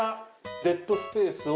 デッドスペースを。